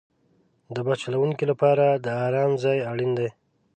د بس چلوونکي لپاره د آرام ځای اړین دی.